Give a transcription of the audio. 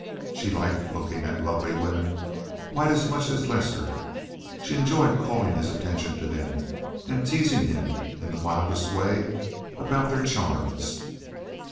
She liked looking at lovely women quite as much as Lester; she enjoyed calling his attention to them, and teasing him, in the mildest way, about their charms.